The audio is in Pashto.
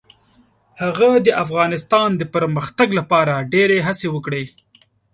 هغه د افغانستان د پرمختګ لپاره ډیرې هڅې وکړې.